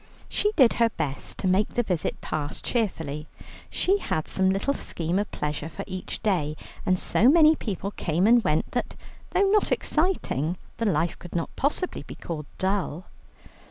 She did her best to make the visit pass cheerfully; she had some little scheme of pleasure for each day, and so many people came and went that, though not exciting, the life could not possibly be called dull.